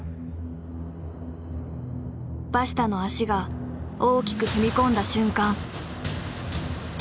バシタの足が大きく踏み込んだ瞬間。